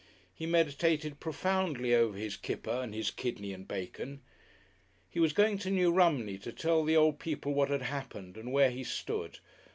He meditated profoundly over his kipper and his kidney and bacon. He was going to New Romney to tell the old people what had happened and where he stood.